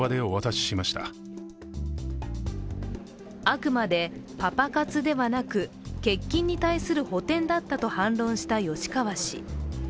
あくまでパパ活ではなく、欠勤に対する補填だったと反論した吉川氏。